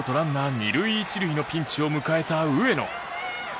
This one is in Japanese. ２塁１塁のピンチを迎えた上野。